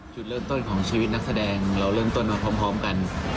จุดเริ่มต้นของชีวิตนักแสดงเราเริ่มต้นมาพร้อมกัน